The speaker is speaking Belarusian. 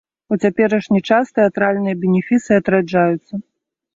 У цяперашні час тэатральныя бенефісы адраджаюцца.